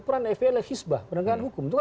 peran fpi lehisbah penergakan hukum itu kan